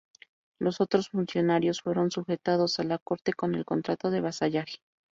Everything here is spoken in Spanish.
Los otros funcionarios fueron sujetados a la corte con el contrato de vasallaje.